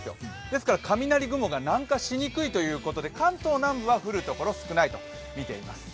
ですから雷雲が南下しにくということで関東南部は少ないとみています。